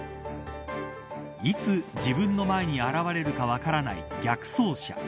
いつ自分の前に現れるか分からない逆走車。